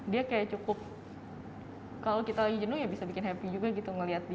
dia kayak cukup kalau kita lagi jenuh ya bisa bikin happy juga gitu ngeliat dia